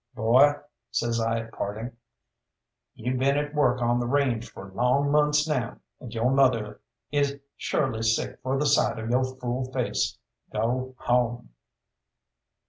"Boy," says I at parting, "you've been at work on the range for long months now, and yo' mother is surely sick for the sight of yo' fool face. Go home."